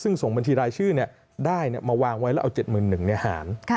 ซึ่งส่งบัญชีรายชื่อได้มาวางไว้แล้วเอา๗๑๐๐หาร